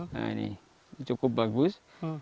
nah ini cukup bagus